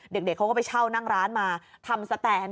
เด็กเขาก็ไปเช่านั่งร้านมาทำสแตน